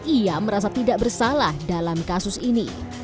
ia merasa tidak bersalah dalam kasus ini